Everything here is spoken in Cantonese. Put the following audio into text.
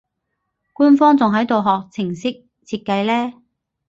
官方仲喺度學程式設計呢